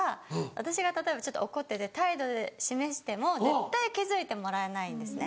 私が例えばちょっと怒ってて態度で示しても絶対気付いてもらえないんですね